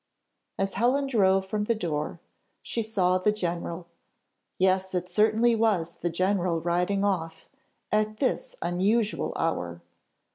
As Helen drove from the door, she saw the general yes, it certainly was the general riding off at this unusual hour!